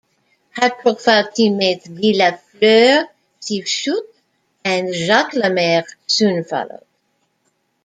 High-profile teammates Guy Lafleur, Steve Shutt and Jacques Lemaire soon followed.